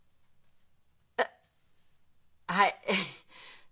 あっはい。